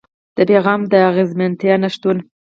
د پيغام د اغېزمنتيا نشتون.